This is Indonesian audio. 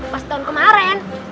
pas tahun kemarin